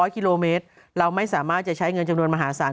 กิโลเมตรเราไม่สามารถจะใช้เงินจำนวนมหาศาล